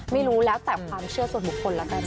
ไม่รู้แล้วแต่ความเชื่อส่วนบุคคลแล้วกัน